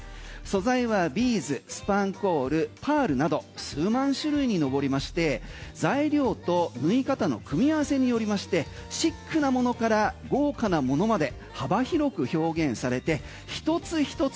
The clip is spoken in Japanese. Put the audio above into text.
素材はビーズ、スパンコールパールなど数万種類に上りまして材料と縫い方の組み合わせによりましてシックなものから豪華なものまで幅広く表現されて一つ一つ